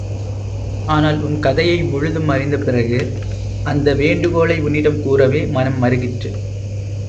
ஆனால், உன் கதையை முழுதும் அறிந்த பிறகு, அந்த வேண்டுகோளை உன்னிடம் கூறவே மனம் மருகிற்று.